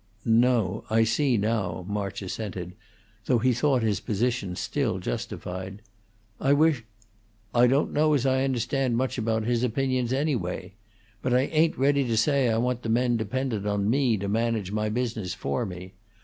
"No; I see now," March assented, though he thought his position still justified. "I wish " "I don't know as I understand much about his opinions, anyway; but I ain't ready to say I want the men dependent on me to manage my business for me.